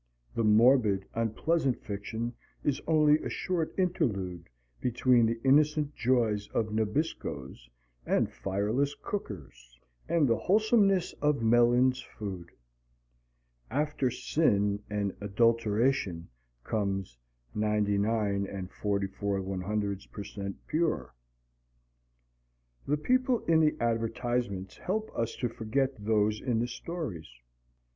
The morbid, unpleasant fiction is only a short interlude between the innocent joys of Nabiscos and fireless cookers, and the wholesomeness of Mellin's Food. After sin and adulteration comes 99 44/100 per cent pure. The people in the advertisements help us to forget those in the stories.